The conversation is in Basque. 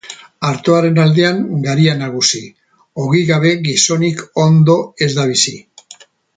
Artoaren aldean garia nagusi, ogi gabe gizonik ondo ez da bizi.